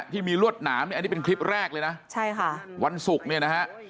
ที่มีรวดหนามนี่อันนี้เป็นคลิปแรกเลยนะใช่ค่ะวันศุกร์เนี่ยนะฮะ